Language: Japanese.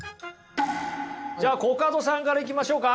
じゃあコカドさんからいきましょうか！